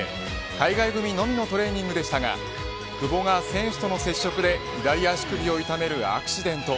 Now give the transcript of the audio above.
海外組のみのトレーニングでしたが久保が選手との接触で左足首を痛めるアクシデント。